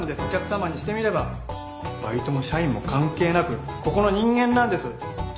お客さまにしてみればバイトも社員も関係なくここの人間なんです。